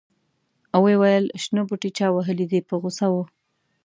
ویې ویل شنه بوټي چا وهلي دي په غوسه و.